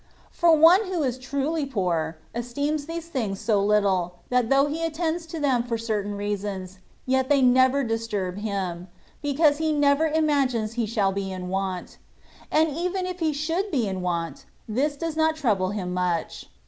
For one who is truly poor, esteems these things so little, that though he attends to them for certain reasons, yet they never disturb him, because he never imagines he shall be in want ; and even if he should be in want, this does not trouble him much.